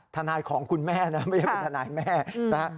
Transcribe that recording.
ทนายของคุณแม่นะไม่ใช่เป็นทนายแม่นะฮะ